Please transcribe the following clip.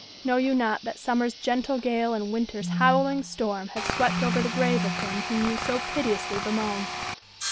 Know you not that summer's gentle gale and winter's howling storm have swept over the grave of him whom you so piteously bemoan.